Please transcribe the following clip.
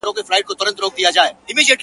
ما پرون د ګل تصویر جوړ کړ ته نه وې٫